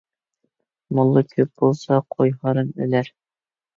موللا كۆپ بولسا، قوي ھارام ئۆلەر.